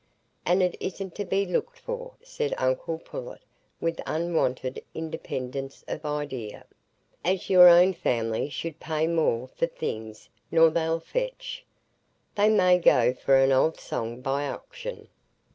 "And it isn't to be looked for," said uncle Pullet, with unwonted independence of idea, "as your own family should pay more for things nor they'll fetch. They may go for an old song by auction."